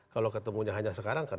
kalau ketemunya hanya sekarang kan